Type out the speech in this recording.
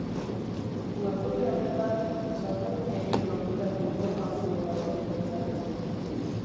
Webgune honetan Sanferminekin lotutatutako informazioa irakur dezakezu.